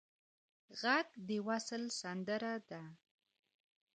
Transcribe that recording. غږ د وصل سندره ده